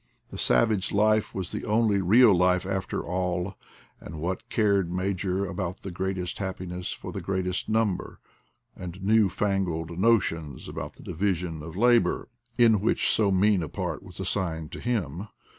The savage life was the only real life after all, and what cared Major about the greatest happiness for the greatest number, and new f angled notions about the divi sion of labor, in which so mean a part was as 66 IDLE DATS IN PATAGONIA signed him!